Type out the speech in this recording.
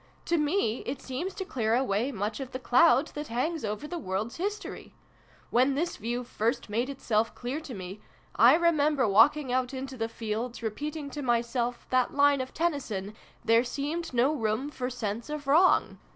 " To me it seems to clear away much of the cloud that hangs over the world's history. When this view first made itself clear to me, I remember walking out into the fields, re peating to myself that line of Tennyson ' There seemed no room for sense of wrong